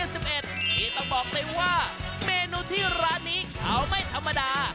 ที่ต้องบอกเลยว่าเมนูที่ร้านนี้เขาไม่ธรรมดา